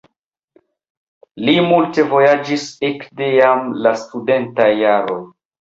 Li multe vojaĝis ekde jam la studentaj jaroj.